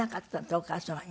お母様に。